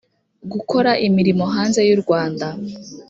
gukora imirimo hanze y u rwanda